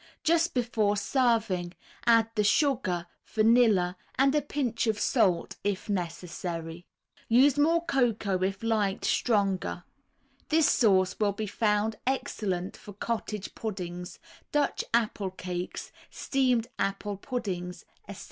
Just before serving, add the sugar, vanilla and a pinch of salt, if necessary. Use more cocoa if liked stronger. This sauce will be found excellent for cottage puddings, Dutch apple cakes, steamed apple puddings, etc.